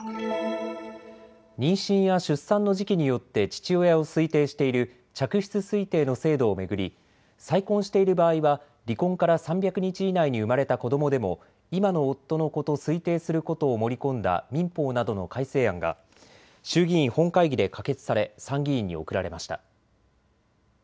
妊娠や出産の時期によって父親を推定している嫡出推定の制度を巡り、再婚している場合は離婚から３００日以内に生まれた子どもでも今の夫の子と推定することを盛り込んだ民法などの改正案が衆議院本会議で可決され参議院に送られました。